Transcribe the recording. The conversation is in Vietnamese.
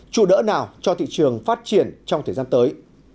trụ đỡ nào cho thị trường phát triển trong thời gian tới